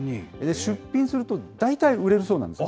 出品すると大体売れるそうなんです。